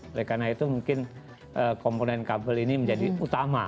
oleh karena itu mungkin komponen kabel ini menjadi utama